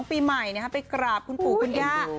ไปกราบคุณปูคุณย่า